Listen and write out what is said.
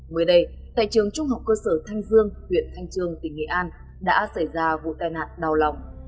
mới đây tại trường trung học cơ sở thanh dương huyện thanh trương tỉnh nghệ an đã xảy ra vụ tai nạn đau lòng